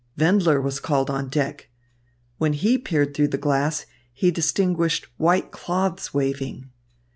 Wendler was called on deck. When he peered through the glass, he distinguished white cloths waving.